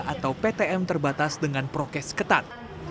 atau ptm terbatas dengan prokes ketat